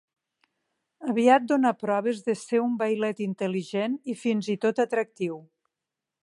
Aviat donà proves de ser un vailet intel·ligent i fins i tot atractiu.